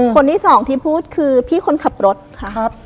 คนที่สองที่พูดคือพี่คนขับรถค่ะ